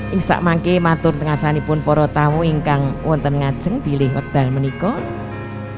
inggsak mangke matur tengah sani pun poro tamu ingkang wanten ngajeng bileh wakdal menikot